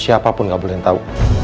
siapapun gak bolehin tau